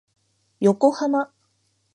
横浜